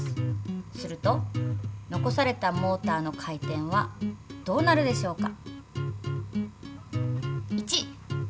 すると残されたモーターの回転はどうなるでしょうか？